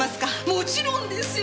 もちろんですよ。